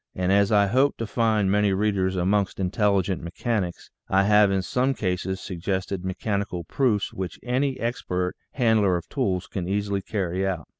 And as I hope to find many readers amongst intelligent mechanics, I have in some cases suggested mechanical proofs which any expert handler of tools can easily carry out.